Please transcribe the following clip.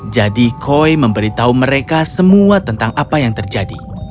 jadi koi memberitahu mereka semua tentang apa yang terjadi